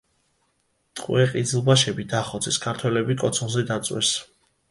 ტყვე ყიზილბაშები დახოცეს, ქართველები კოცონზე დაწვეს.